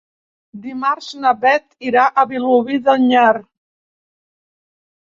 Dimarts na Beth anirà a Vilobí d'Onyar.